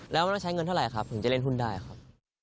แล้วมันต้องใช้เงินเท่าไหร่ครับถึงจะเล่นหุ้นได้ครับ